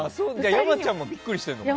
山ちゃんもビックリしてたよね。